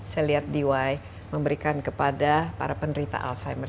saya lihat diwai memberikan kepada para penderita alzheimer